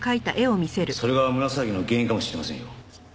それが胸騒ぎの原因かもしれませんよ。